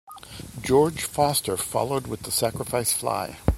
George Foster followed with a sacrifice fly.